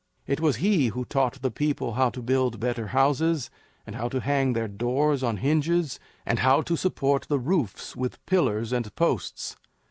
It was he who taught the people how to build better houses and how to hang their doors on hinges and how to support the roofs with pillars and posts.